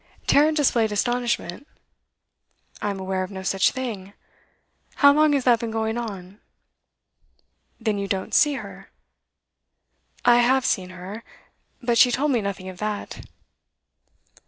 Tarrant displayed astonishment. 'I am aware of no such thing. How long has that been going on?' 'Then you don't see her?' 'I have seen her, but she told me nothing of that.